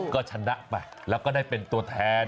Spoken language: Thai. ก็ชนะไปแล้วก็ได้เป็นตัวแทน